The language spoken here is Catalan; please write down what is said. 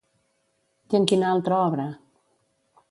I en quina altra obra?